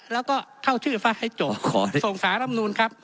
แล้วก็เข้าชื่อฟ้าให้จบส่งสารำนูนครับ